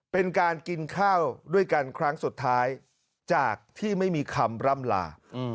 เป็นการกินข้าวด้วยกันครั้งสุดท้ายจากที่ไม่มีคำร่ำลา